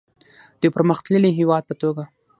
د یو پرمختللي هیواد په توګه.